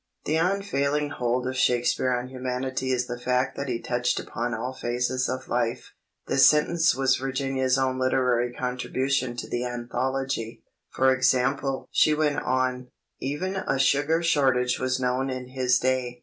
The unfailing hold of Shakespeare on humanity is the fact that he touched upon all phases of life. (This sentence was Virginia's own literary contribution to the "Anthology.") For example (she went on), even a sugar shortage was known in his day.